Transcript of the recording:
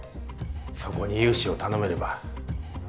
そこに融資を頼めれば。